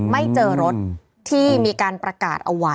ไม่เจอรถที่มีการประกาศเอาไว้